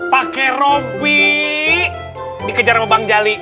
pakai rompi dikejar sama bang jali